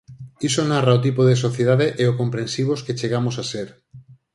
Iso narra o tipo de sociedade e o comprensivos que chegamos a ser.